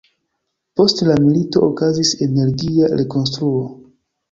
Post la milito okazis energia rekonstruo.